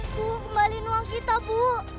bu kembali uang kita bu